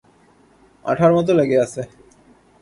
আঠার মতো লেগে আছে।